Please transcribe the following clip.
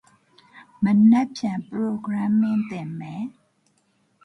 No slouch on defense either, Baylor did it all for the Lakers.